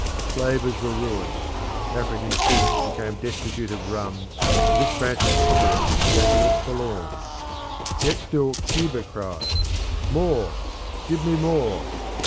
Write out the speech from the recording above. Slavers were ruined; African chiefs became destitute of rum and this branch of commerce began to look forlorn. Yet still Cuba cried, "More! Give me more!"